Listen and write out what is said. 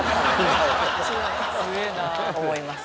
思います。